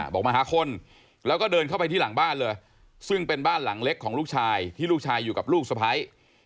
บอกมาหาคนแล้วก็เดินเข้าไปที่หลังบ้านเลยซึ่งเป็นบ้านหลังเล็กของลูกชายที่ลูกชายอยู่กับลูกสะพ้าย